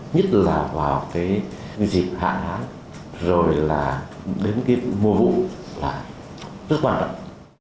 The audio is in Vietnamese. nhất là vào dịp hạn hán rồi đến mùa vụ là rất quan trọng